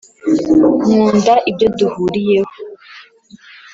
nkunda ibyo duhuriyeho